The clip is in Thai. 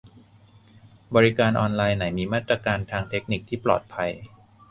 บริการออนไลน์ไหนมีมาตรการทางเทคนิคที่ปลอดภัย